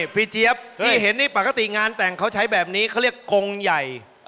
เจี๊ยบที่เห็นนี่ปกติงานแต่งเขาใช้แบบนี้เขาเรียกกงใหญ่